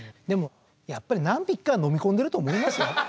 でもやっぱり何匹かは飲み込んでると思いますよ。